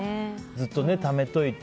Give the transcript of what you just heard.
ずっとためておいて。